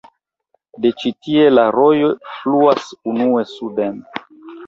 De ĉi-tie la rojo fluas unue suden.